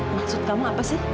maksud kamu apa sih